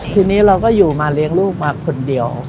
ทีนี้เราก็อยู่มาเลี้ยงลูกมาคนเดียว